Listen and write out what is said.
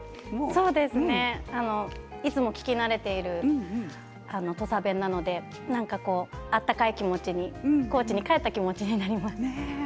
そうですねいつも聞き慣れている土佐弁なので温かい気持ちに高知に帰った気持ちになります。